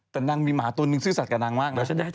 แต่นางมีหมาตัวนึงซื่อสัตว์นางมากนะ